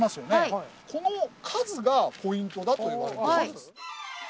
この数がポイントだといわれてます。